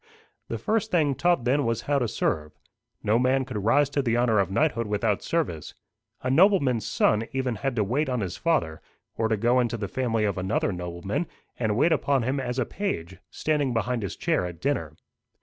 The first thing taught then was how to serve. No man could rise to the honour of knighthood without service. A nobleman's son even had to wait on his father, or to go into the family of another nobleman, and wait upon him as a page, standing behind his chair at dinner.